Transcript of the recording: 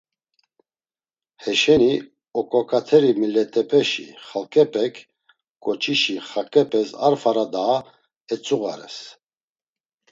Heşeni, Oǩoǩateri Millet̆epeşi Xalǩepek ǩoçişi xaǩepes ar fara daha etzuğares.